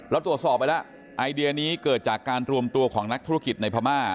เราตรวจสอบไปแล้วไอเดียนี้เกิดจากการรวมตัวของนักธุรกิจในพม่า